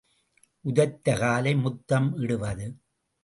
உதைத்த காலை முத்தம் இடுவது.